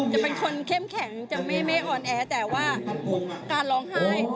จะเป็นคนเข้มแข็งจะไม่ออนแอแต่ว่าการร้องไห้